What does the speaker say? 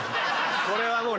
これはもう。